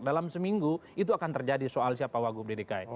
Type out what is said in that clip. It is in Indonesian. dalam seminggu itu akan terjadi soal siapa wagub dki